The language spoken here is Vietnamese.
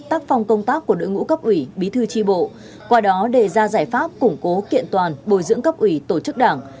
tác phong công tác của đội ngũ cấp ủy bí thư tri bộ qua đó đề ra giải pháp củng cố kiện toàn bồi dưỡng cấp ủy tổ chức đảng